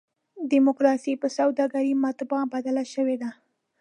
ډیموکراسي په سوداګرۍ متاع بدله شوې ده.